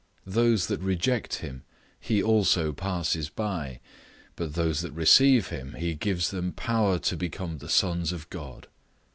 Those that reject him he also passes by; but those that receive him, he gives them power to become the sons of God.